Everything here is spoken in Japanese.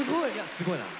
すごいな。